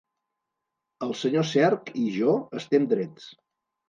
El senyor Cerc i jo estem drets.